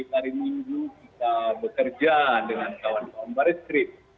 hari minggu kita bekerja dengan kawan kawan baris krim